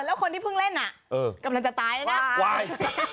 แล้วคนที่เพิ่งเล่นอ่ะกำลังจะตายแล้วนะวาย